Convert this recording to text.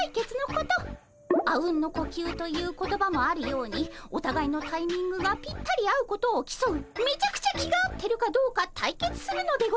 「阿吽の呼吸」という言葉もあるようにおたがいのタイミングがぴったり合うことをきそうめちゃくちゃ気が合ってるかどうか対決するのでございますね。